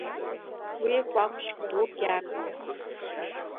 Уи кәакәшь дук иаҟаран.